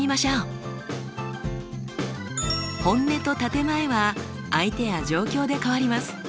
本音と建て前は相手や状況で変わります。